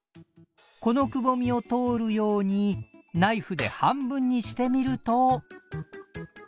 このくぼみを通るようにナイフで半分にしてみると。